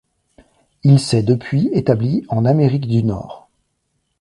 Il s'est depuis établi en Amérique du Nord.